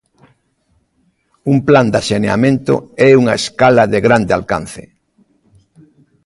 Un plan de saneamento é unha escala de grande alcance.